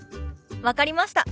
分かりました。